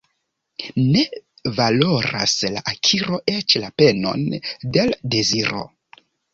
Ne valoras la akiro eĉ la penon de l' deziro.